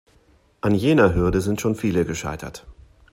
An jener Hürde sind schon viele gescheitert.